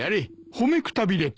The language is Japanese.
褒めくたびれた。